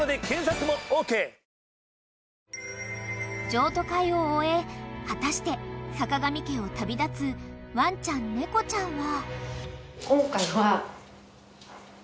［譲渡会を終え果たして坂上家を旅立つワンちゃん猫ちゃんは？］